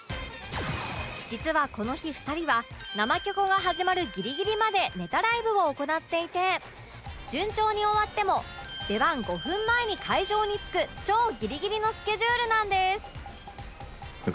実はこの日２人は「生キョコ」が始まるギリギリまでネタライブを行っていて順調に終わっても出番５分前に会場に着く超ギリギリのスケジュールなんです